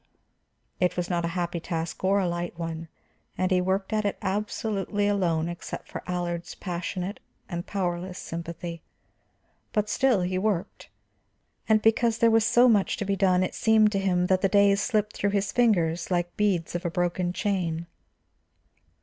It was not a happy task, or a light one, and he worked at it absolutely alone except for Allard's passionate and powerless sympathy. But still he worked. And because there was so much to be done, it seemed to him that the days slipped through his fingers like beads of a broken chain.